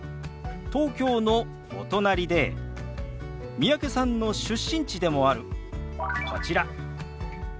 東京のお隣で三宅さんの出身地でもあるこちら。